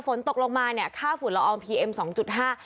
ฝนตกลงมาเนี่ยค่าฝุ่นละอองพีเอ็มสองจุดห้า